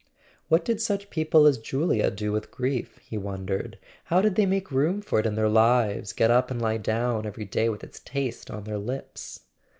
What did such people as Julia do with grief, he won¬ dered, how did they make room for it in their lives, get up and lie down every day with its taste on their lips?